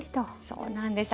そうなんですね。